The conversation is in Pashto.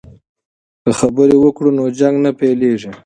که خبرې وکړو نو جنګ نه پیلیږي.